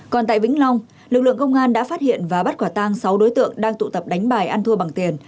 còn tại vĩnh long lực lượng công an đã phát hiện và bắt quả tang sáu đối tượng đang tụ tập đánh bài ăn thua bằng tiền